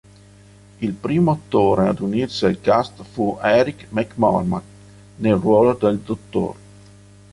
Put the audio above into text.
Il primo attore ad unirsi al cast fu Eric McCormack, nel ruolo del dottor.